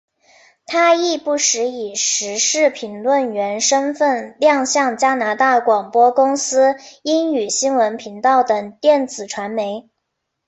她亦不时以时事评论员身份亮相加拿大广播公司英语新闻频道等电子传媒。